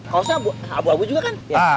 kausnya abu abu juga kan